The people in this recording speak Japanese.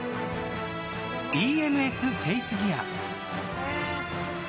ＥＭＳフェイスギア。